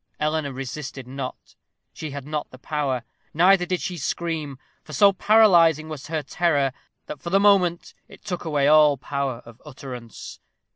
Eleanor resisted not; she had not the power; neither did she scream, for so paralyzing was her terror, that for the moment it took away all power of utterance.